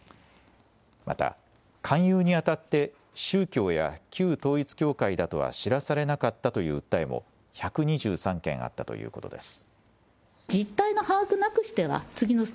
また勧誘にあたって宗教や旧統一教会だとは知らされなかったという訴えも１２３件あったということです。